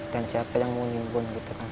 dan siapa yang mau nyimpun